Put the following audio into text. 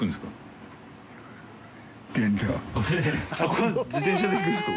この自転車で行くんですか？